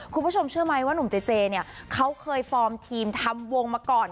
คุณผู้ชมเชื่อไหมว่าหนุ่มเจเจเนี่ยเขาเคยฟอร์มทีมทำวงมาก่อน